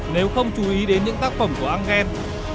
nếu không chú ý đến những tác phẩm của engel